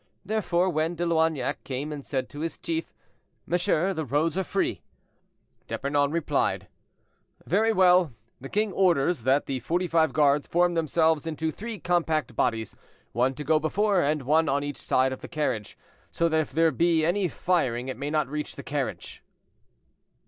Therefore, when De Loignac came and said to his chief, "Monsieur, the roads are free," D'Epernon replied: "Very well, the king orders that the Forty five guards form themselves into three compact bodies, one to go before and one on each side of the carriage, so that if there be any firing it may not reach the carriage."